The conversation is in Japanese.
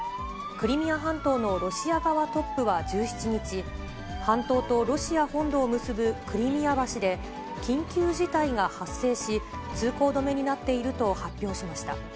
クリミア半島のロシア側トップは１７日、半島とロシア本土を結ぶクリミア橋で、緊急事態が発生し、通行止めになっていると発表しました。